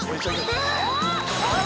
えっ？